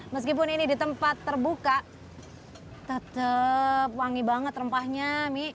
meskipun ini di tempat terbuka tetap wangi banget rempahnya mie